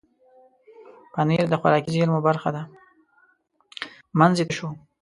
منځ یې تش و .